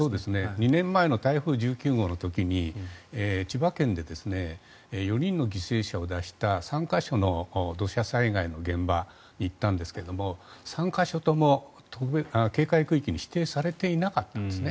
２年前の台風１９号の時に千葉県で４人の犠牲者を出した３か所の土砂災害の現場に行ったんですが３か所とも警戒区域に指定されていなかったんですね。